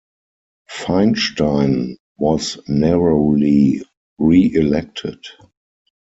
Feinstein was narrowly re-elected.